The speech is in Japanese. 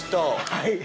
はい。